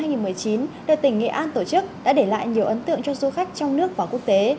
festival văn hóa ẩm thực du lịch quốc tế hai nghìn một mươi chín đã để lại nhiều ấn tượng cho du khách trong nước và quốc tế